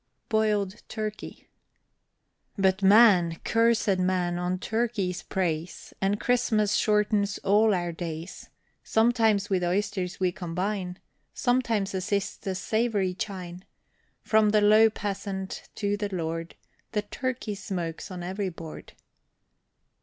BOILED TURKEY. But man, cursed man, on turkeys preys, And Christmas shortens all our days. Sometimes with oysters we combine, Sometimes assist the savory chine. From the low peasant to the lord, The turkey smokes on every board.